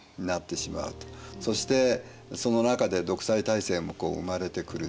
そしてその中で独裁体制も生まれてくると。